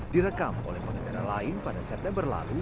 direkam oleh pengendara lain pada september lalu